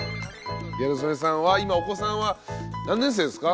ギャル曽根さんは今お子さんは何年生ですか？